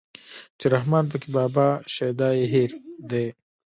چې رحمان پکې بابا شيدا يې هېر دی